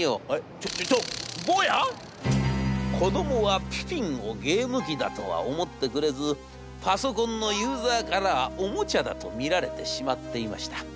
『ちょちょちょ坊や！』。子どもはピピンをゲーム機だとは思ってくれずパソコンのユーザーからはおもちゃだと見られてしまっていました。